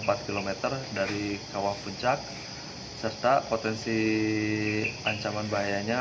pertama penyakit yang berada di kawah puncak serta potensi ancaman bahayanya